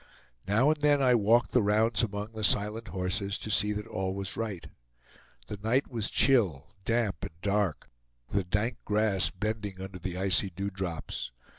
Now and then I walked the rounds among the silent horses, to see that all was right. The night was chill, damp, and dark, the dank grass bending under the icy dewdrops.